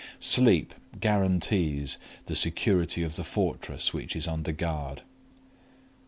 Sleep guarantees the security of the fortress which is under guard.